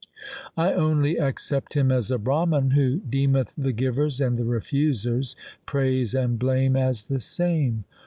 I only accept him as a Brahman who deemeth the givers and the refusers, praise and blame as the same.